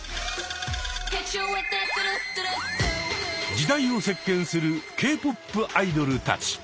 時代を席けんするＫ−ＰＯＰアイドルたち。